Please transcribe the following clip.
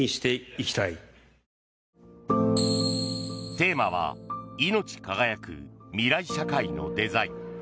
テーマは「いのち輝く未来社会のデザイン」。